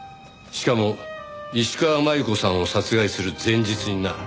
しかも石川真悠子さんを殺害する前日にな。